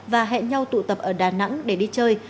và hẹn nhau tụ tập ở đà nẵng để đi chơi